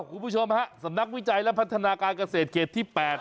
คุณผู้ชมฮะสำนักวิจัยและพัฒนาการเกษตรเขตที่๘